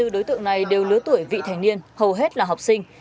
hai mươi đối tượng này đều lứa tuổi vị thành niên hầu hết là học sinh